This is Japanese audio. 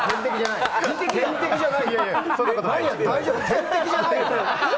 天敵じゃない。